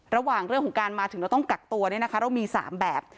ระหว่างเรื่องของการมาถึงเราต้องกักตัวเนี่ยนะคะเรามี๓แบบ